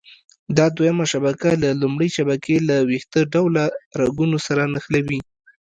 دا دویمه شبکه له لومړۍ شبکې له ویښته ډوله رګونو سره نښلي.